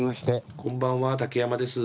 こんばんは竹山です。